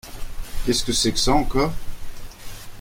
Qu'est-ce que c'est que ça, encore ?